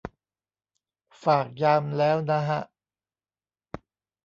ฝากยามแล้วนะฮะ